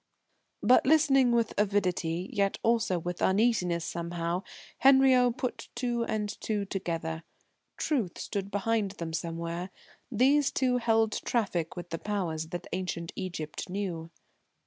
But, listening with avidity, yet also with uneasiness, somehow, Henriot put two and two together. Truth stood behind them somewhere. These two held traffic with the powers that ancient Egypt knew.